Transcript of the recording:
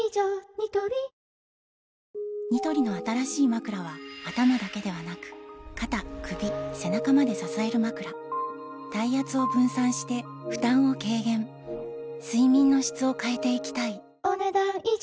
ニトリニトリの新しいまくらは頭だけではなく肩・首・背中まで支えるまくら体圧を分散して負担を軽減睡眠の質を変えていきたいお、ねだん以上。